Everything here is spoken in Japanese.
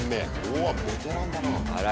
うわベテランだな。